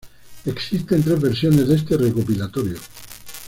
Existen tres versiones de este recopilatorio.